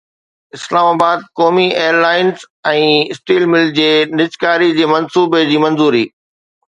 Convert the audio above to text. اسلام آباد قومي ايئر لائنز ۽ اسٽيل ملز جي نجڪاري جي منصوبي جي منظوري